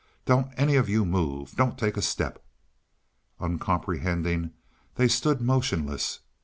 "Don't any of you move! Don't take a step!" Uncomprehending, they stood motionless.